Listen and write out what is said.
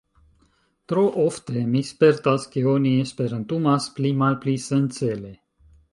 Tro ofte, mi spertas ke oni esperantumas pli-malpli sencele.